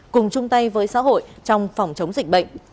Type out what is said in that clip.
cùng chung tay với xã hội trong phòng chống dịch bệnh